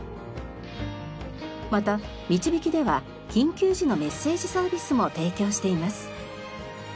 またみちびきでは緊急時のメッセージサービスも提供しています。